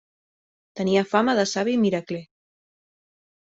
Tenia fama de savi i miracler.